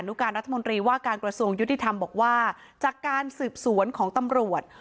นุการรัฐมนตรีว่าการกระทรวงยุติธรรมบอกว่าจากการสืบสวนของตำรวจ